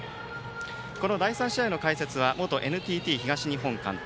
この第３試合の解説は元ＮＴＴ東日本監督